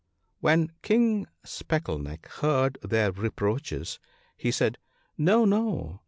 When King Speckle neck heard their reproaches, he said, ' No, no